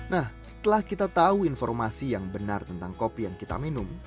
nah setelah kita tahu informasi yang benar tentang kopi yang kita minum